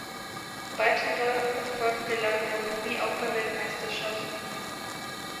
Weitere Erfolge gelangen Bonomi auch bei Weltmeisterschaften.